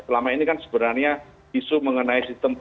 selama ini kan sebenarnya isu mengenai sistem politik